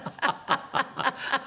ハハハハ！